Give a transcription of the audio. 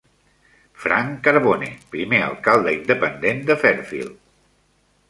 Frank Carbone, primer alcalde independent de Fairfield.